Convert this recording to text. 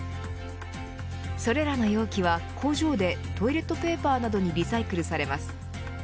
それらの容器は工場でトイレットペーパーなどにリサイクルされます。